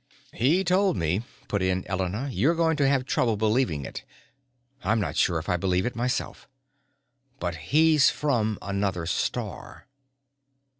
"He told me," put in Elena. "You're going to have trouble believing it. I'm not sure if I believe it myself. But he's from another star."